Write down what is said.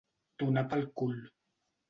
Donar pel cul.